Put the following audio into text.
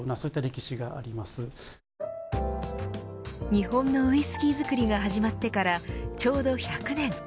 日本のウイスキー造りが始まってからちょうど１００年。